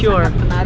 ya tentu saja